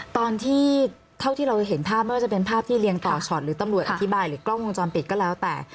ตอนที่เท่าที่เราเห็นภาพไม่ว่าจะเป็นภาพที่เรียงต่อช็อตหรือตำรวจอธิบายหรือกล้องวงจรปิดก็แล้วแต่